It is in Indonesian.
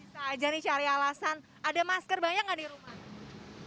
bisa aja nih cari alasan ada masker banyak nggak di rumah